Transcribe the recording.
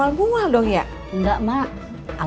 alhamdulillah anak saya hamilnya gak nyedam gak mual